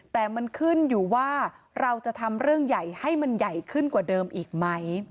แต่มันขึ้นอยู่ว่าเราจะทำเรื่องใหญ่ให้มันใหญ่ขึ้นกว่าเดิมอีกไหม